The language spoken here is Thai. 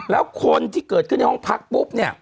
แล้วคนที่เกิดขึ้นในห้องพักปุ๊บเนี่ย